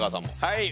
はい。